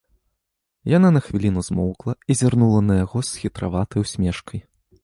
Яна на хвіліну змоўкла і зірнула на яго з хітраватай усмешкай.